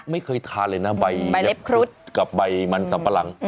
ไม่เคยทานเลยนะใบเล็บครุฑกับใบมันสัมปะหลัง